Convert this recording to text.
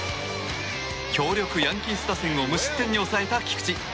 強力ヤンキース打線を無失点に抑えた菊池。